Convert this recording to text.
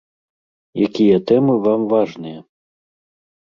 Якія тэмы вам важныя?